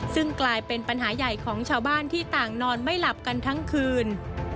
ซึ่งกลายเป็นปัญหาใหญ่ของชาวบ้านที่ต่างนอนไม่หลับกันทั้งคืน